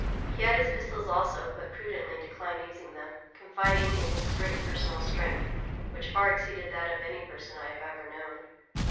He had his pistols also, but prudently declined using them, confiding in his great personal strength, which far exceeded that of any person I have ever known.